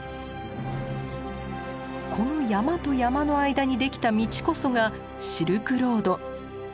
この山と山の間にできた道こそがシルクロード。